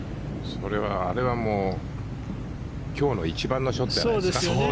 あれはもう今日の一番のショットじゃないですか。